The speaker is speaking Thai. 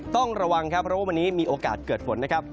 ต้องระวังครับเพราะว่าวันนี้มีโอกาสเกิดฝนนะครับ